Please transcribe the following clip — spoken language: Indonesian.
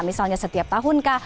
misalnya setiap tahun kak